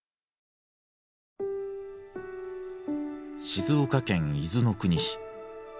静岡県伊豆の国市。